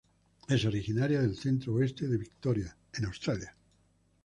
Es originaria del centro oeste de Victoria en Australia.